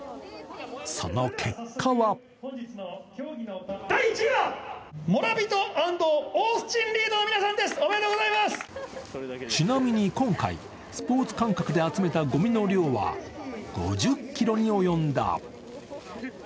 その結果はちなみに今回、スポーツ感覚で集めたごみの量は５０ｋｇに及んだ。